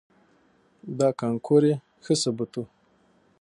دا کانکور یې ښه ثبوت و.